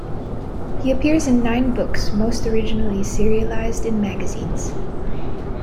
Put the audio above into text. He appears in nine books, most originally serialized in magazines.